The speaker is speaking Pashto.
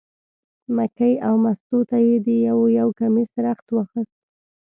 مکۍ او مستو ته یې د یو یو کمیس رخت واخیست.